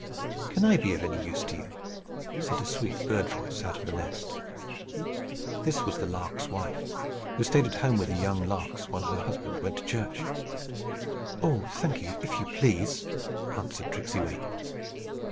"Can I be of any use to you?" said a sweet bird voice out of the nest. This was the lark's wife, who stayed at home with the young larks while her husband went to church. "Oh! thank you. If you please," answered Tricksey Wee.